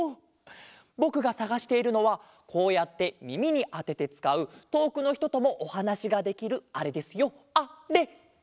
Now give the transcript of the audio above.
ぼくがさがしているのはこうやってみみにあててつかうとおくのひとともおはなしができるあれですよあれ！